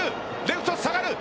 レフト、下がる。